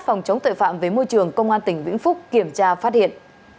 phòng chống tội phạm với môi trường công an tỉnh vĩnh phúc kiểm tra phát hiện